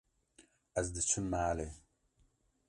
Ez diçim malê.